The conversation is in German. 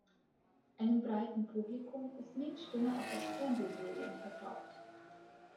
Einem breiten Publikum ist Minks Stimme auch aus Fernsehserien vertraut.